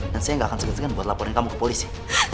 dan saya gak akan segan segan buat laporin kamu ke polisi